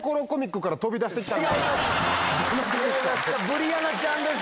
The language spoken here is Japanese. ブリアナちゃんです！